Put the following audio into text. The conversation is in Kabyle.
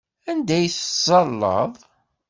Anda ay tettẓallaḍ?